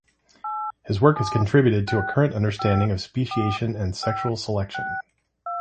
His work has contributed to our current understanding of Speciation and Sexual selection.